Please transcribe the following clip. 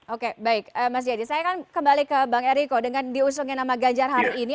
oke baik mas yadi saya kan kembali ke bang errico dengan diusungin nama ganjar hari ini